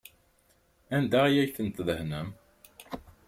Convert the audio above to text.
Anda ay ten-tdehnem?